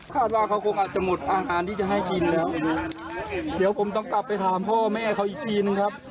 ว่าเขาคงอาจจะหมดอาหารที่จะให้กินแล้วเดี๋ยวผมต้องกลับไปถามพ่อแม่เขาอีกทีนึงครับ